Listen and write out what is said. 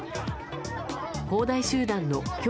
恒大集団のキョ